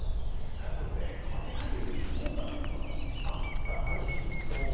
加谷さん、為替介入の効果というのはあるんでしょうか？